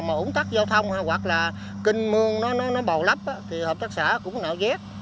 mà ủng tắc giao thông hoặc là kênh mương nó bò lấp thì hợp tác xã cũng nạo giác